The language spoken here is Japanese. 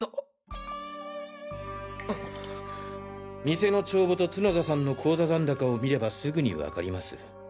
店の帳簿と角田さんの口座残高を見ればすぐにわかります。